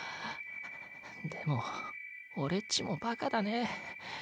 でも俺っちもバカだね。